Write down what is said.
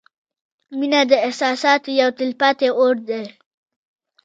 • مینه د احساساتو یو تلپاتې اور دی.